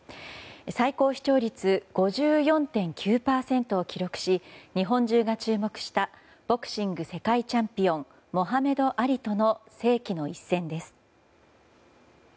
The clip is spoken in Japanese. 最高視聴率５４．９％を記録し日本中が注目したボクシング世界チャンピオンモハメド・アリとの世紀の一戦です。